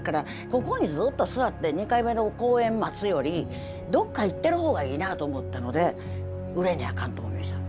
ここにずっと座って２回目の公演待つよりどっか行ってる方がいいなと思ったので売れにゃあかんと思いました。